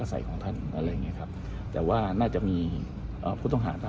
มองว่าเป็นการสกัดท่านหรือเปล่าครับเพราะว่าท่านก็อยู่ในตำแหน่งรองพอด้วยในช่วงนี้นะครับ